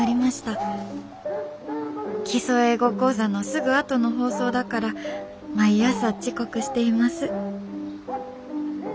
『基礎英語講座』のすぐあとの放送だから毎朝遅刻しています」。